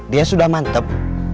dia sudah mantep